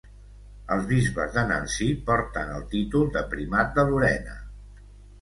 Els bisbes de Nancy porten el títol de Primat de Lorena.